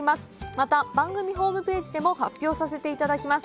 また番組ホームページでも発表させて頂きます